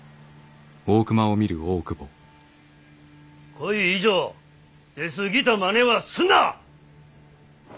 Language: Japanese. こい以上出過ぎたまねはすんな！